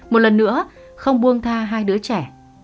một lần nữa không buông tha hai đứa trẻ